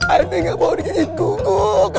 anjing gak mau diinjik guguk